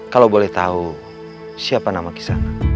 kalau boleh tahu siapa nama kisah